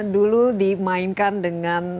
dulu dimainkan dengan